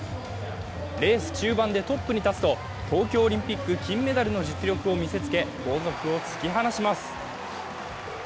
レース中盤でトップに立つと東京オリンピック金メダルの実力を見せつけ、後続を突き放します。